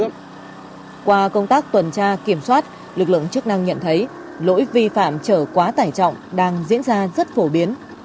tuy nhiên khi bị lực lượng chức năng nhận thấy lỗi vi phạm trở quá tải trọng đang diễn ra rất phổ biến